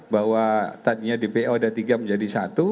bahwa tadinya dpo ada tiga menjadi satu